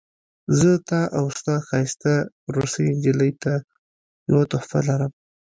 زه تا او ستا ښایسته روسۍ نجلۍ ته یوه تحفه لرم